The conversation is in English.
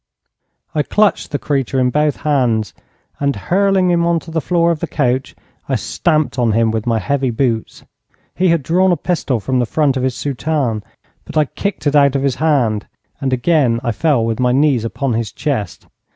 I clutched the creature in both hands, and, hurling him on to the floor of the coach, I stamped on him with my heavy boots. He had drawn a pistol from the front of his soutane, but I kicked it out of his hand, and again I fell with my knees upon his chest.